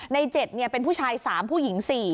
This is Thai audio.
ใน๗เป็นผู้ชาย๓ผู้หญิง๔